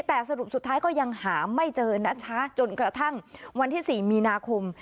แต่สรุปสุดท้ายก็ยังหาไม่เจอนะคะจนกระทั่งวันที่๔มีนาคม